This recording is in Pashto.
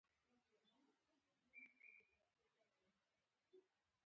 درې مياشتې کار مې له دې کس سره کړی، خو پيسې نه راکوي!